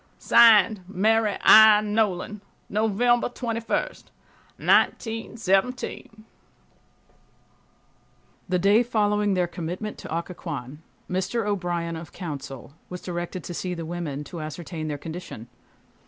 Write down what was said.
(Signed) MARY I. NOLAN. November 21, 1917, The day following their commitment to Occoquan Mr. O'Brien, of counsel, was directed to see the women, to ascertain their condition.